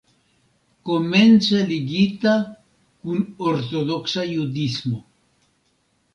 Komence ligita kun Ortodoksa Judismo.